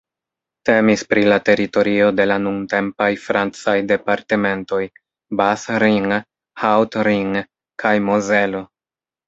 Temis pri la teritorio de la nuntempaj francaj departementoj Bas-Rhin, Haut-Rhin kaj Mozelo.